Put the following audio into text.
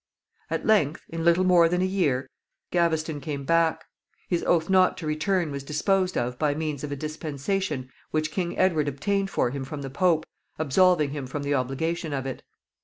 At length, in little more than a year, Gaveston came back. His oath not to return was disposed of by means of a dispensation which King Edward obtained for him from the Pope, absolving him from the obligation of it.